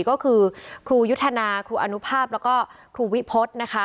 ก็คือครูยุทธนาครูอนุภาพแล้วก็ครูวิพฤษนะคะ